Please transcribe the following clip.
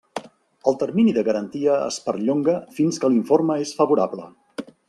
El termini de garantia es perllonga fins que l'informe és favorable.